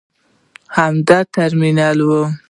همدا یې ترمینل و.